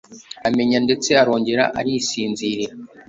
amenya ndetse arongera arisinziriza